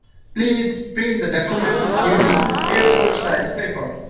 Please print the document using A-four sized paper.